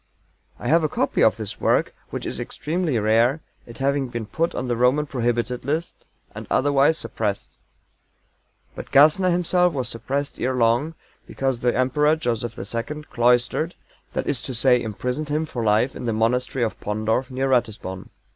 I have a copy of this work, which is extremely rare, it having been put on the Roman prohibited list, and otherwise suppressed. But GASSNER himself was suppressed ere long, because the Emperor, Joseph II, cloistered that is to say, imprisoned him for life in the Monastery of Pondorf, near Ratisbon.